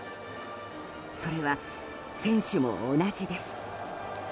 それは、選手も同じです。